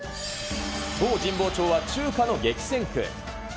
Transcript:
そう、神保町は中華の激戦区。